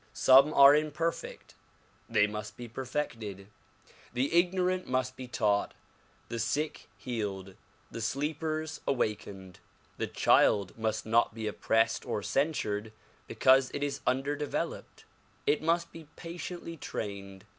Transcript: Some are imperfect; they must be perfected. The ignorant must be taught, the sick healed, the sleepers awakened. The child must not be oppressed or censured because it is unde 176 THE PROMULGATION OF UNIVERSAL PEACE veloped; it must be patiently trained.